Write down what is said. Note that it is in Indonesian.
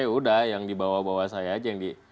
sudah yang dibawa bawa saya saja